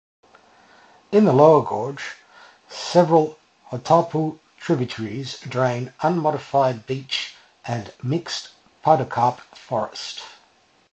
In the lower gorge several Hautapu tributaries drain unmodified beech and mixed podocarp forest.